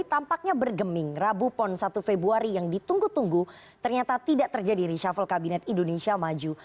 tampaknya bergeming rabu pon satu februari yang ditunggu tunggu ternyata tidak terjadi reshuffle kabinet indonesia maju